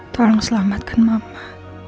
tolong selamatkan mama